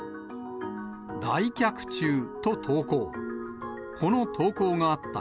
来客中と投稿。